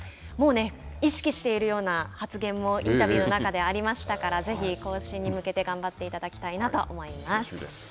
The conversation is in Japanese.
もうね、意識しているような発言もインタビューの中でありましたからぜひ更新に向けて頑張っていただきたいなと思います。